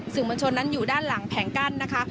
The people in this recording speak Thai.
มวลชนนั้นอยู่ด้านหลังแผงกั้นนะคะ